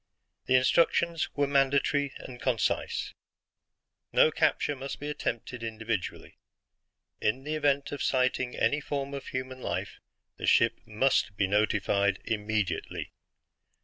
The instructions were mandatory and concise: "No capture must be attempted individually. In the event of sighting any form of human life, the ship MUST be notified immediately.